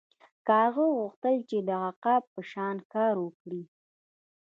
کارغه غوښتل چې د عقاب په شان کار وکړي.